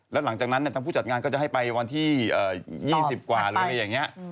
แล้วหลังจากนั้นทางผู้จัดงานก็จะให้ไปวันที่๒๐กว่าหรืออะไรอย่างนี้